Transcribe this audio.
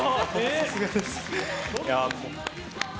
さすがです。